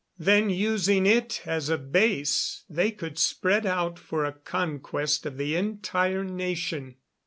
Then, using it as a base, they could spread out for a conquest of the entire nation.